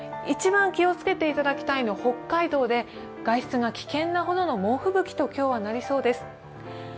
一番気をつけていただきたいのは北海道で外出が危険なほどの猛吹雪と今日はなりそうです。